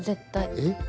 えっ？